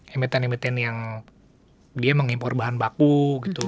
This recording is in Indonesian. emiten emiten yang dia mengimpor bahan baku gitu